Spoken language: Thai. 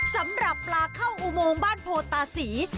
สำหรับปลาเข้าอุโมงบ้านโพตาศรี